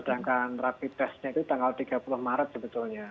dan rapid testnya itu tanggal tiga puluh maret sebetulnya